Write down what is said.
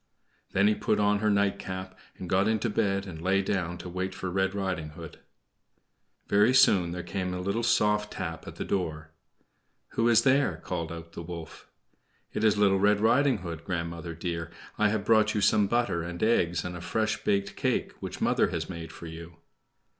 Then he put on her night cap and got into bed, and lay down to wait for Red Riding Hood. Very soon there came a little soft tap at the door. "Who is there?" called out the wolf. "It is Little Red Riding Hood, grandmother dear. I have brought you some butter and eggs and a fresh baked cake which mother has made for you."